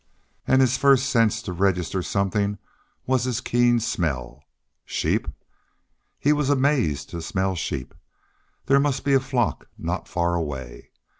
And his first sense to register something was his keen smell. Sheep! He was amazed to smell sheep. There must be a flock not far away.